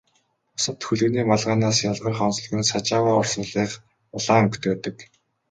Бусад хөлгөний малгайнаас ялгарах онцлог нь Сажава урсгалынх улаан өнгөтэй байдаг.